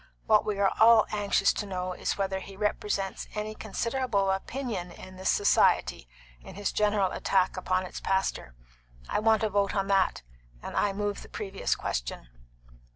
What we are all anxious to know is whether he represents any considerable portion of this society in his general attack upon its pastor. I want a vote on that, and I move the previous question."